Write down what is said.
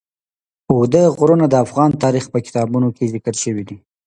اوږده غرونه د افغان تاریخ په کتابونو کې ذکر شوی دي.